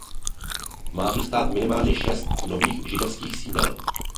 Má tu stát minimálně šest nových židovských sídel.